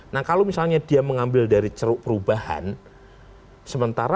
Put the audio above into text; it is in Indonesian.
nah kalau misalnya dia mengambil dari ceruk perubahan maka dia tidak akan mendapatkan tambahan suara